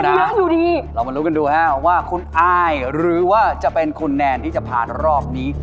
น่าดูดีเรามารู้กันดูฮะว่าคุณอายหรือว่าจะเป็นคุณแนนที่จะผ่านรอบนี้